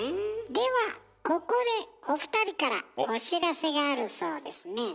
ではここでお二人からお知らせがあるそうですねえ。